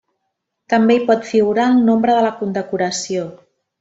També hi pot figurar el nombre de la condecoració.